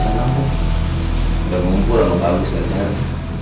udah mengumpul udah bagus kan senang